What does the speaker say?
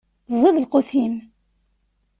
Ẓid lqut-im.